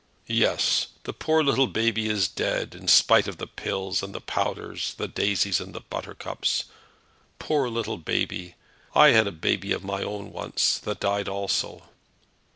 "Yes; the poor little baby is dead, in spite of the pills and the powders, the daisies and the buttercups! Poor little baby! I had a baby of my own once, and that died also."